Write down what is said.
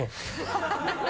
ハハハ